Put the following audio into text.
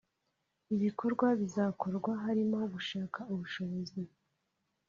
Ibikorwa bizakorwa harimo gushaka ubushobozi